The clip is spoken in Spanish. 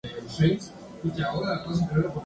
Era montevideano, profesor y músico sobresaliente.